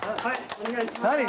お願いします。